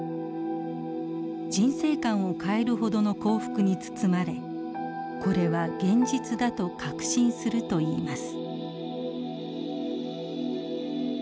人生観を変えるほどの幸福に包まれこれは現実だと確信するといいます。